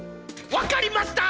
分かりました！